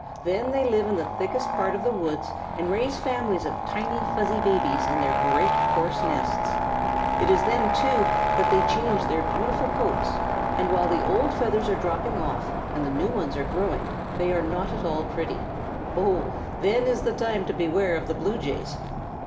Then they live in the thickest part of the woods and raise families of tiny, fuzzy babies in their great coarse nests. It is then, too, that they change their beautiful coats, and while the old feathers are dropping off and the new ones are growing they are not at all pretty. Oh, then is the time to beware of the Blue Jays!